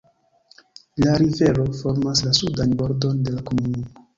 La rivero formas la sudan bordon de la komunumo.